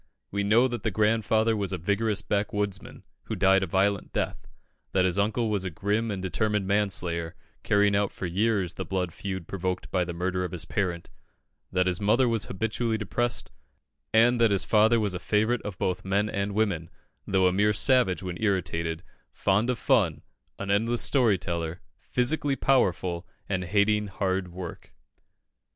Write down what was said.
We know that the grandfather was a vigorous backwoodsman, who died a violent death; that his uncle was a grim and determined manslayer, carrying out for years the blood feud provoked by the murder of his parent; that his mother was habitually depressed, and that his father was a favourite of both men and women, though a mere savage when irritated, fond of fun, an endless storyteller, physically powerful, and hating hard work.